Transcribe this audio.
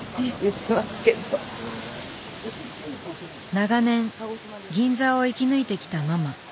長年銀座を生き抜いてきたママ。